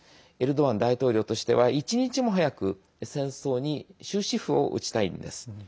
エルドアン大統領としては一日も早く戦争に終止符を打ちたいんです。